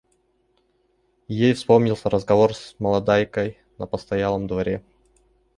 И ей вспомнился разговор с молодайкой на постоялом дворе.